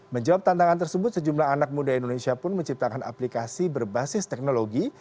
menjawab tantangan tersebut sejumlah anak muda indonesia pun menciptakan aplikasi berbasis teknologi